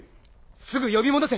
すぐ呼び戻せ！